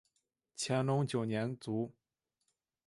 乾隆九年卒。